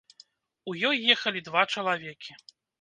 У ёй ехалі два чалавекі.